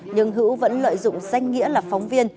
nhưng hữu vẫn lợi dụng danh nghĩa là phóng viên